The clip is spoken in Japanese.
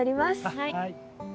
はい。